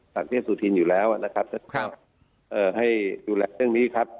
ศักดิ์เที่ยวสุธินอยู่แล้วนะครับครับให้ดูแล้วเรื่องนี้ครับ